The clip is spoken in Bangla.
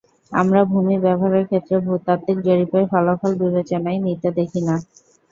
আমরা ভূমি ব্যবহারের ক্ষেত্রে ভূতাত্ত্বিক জরিপের ফলাফল বিবেচনায় নিতে দেখি না।